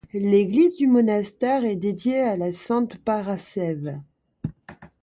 L'église du monastère est dédiée à la Sainte Parascève.